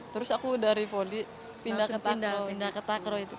terus aku dari voli pindah ke takraw